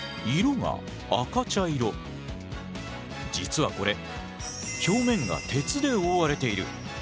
色が実はこれ表面が鉄で覆われている。